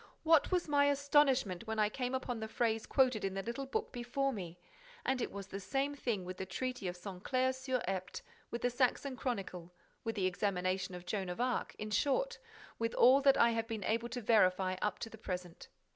What was my astonishment when I came upon the phrase quoted in the little book before me! And it was the same thing with the Treaty of Saint Clair sur Epte, with the Saxon Chronicle, with the examination of Joan of Arc, in short, with all that I have been able to verify up to the present.